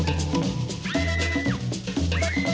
พร้อมแล้วไปก่อนนะ